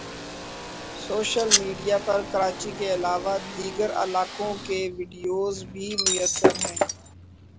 social media پر کراچی کے علاوہ دیگر علاقوں کے وڈیوز بھی میسر ہیں